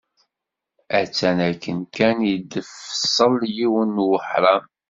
Attan akken kan i d-tfeṣṣel yiwen n weḥram.